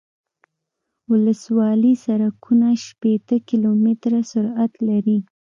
ولسوالي سرکونه شپیته کیلومتره سرعت لري